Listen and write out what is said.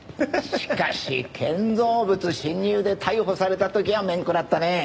しかし建造物侵入で逮捕された時は面食らったね。